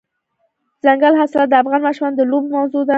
دځنګل حاصلات د افغان ماشومانو د لوبو موضوع ده.